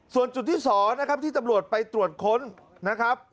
ส่วนจุดที่๒นะครับที่ตำรวจไปตรวจค้นนะครับ